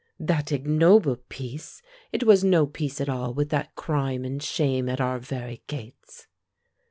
"That ignoble peace! It was no peace at all, with that crime and shame at our very gates."